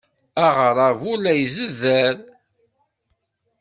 Aɣerrabu la izedder!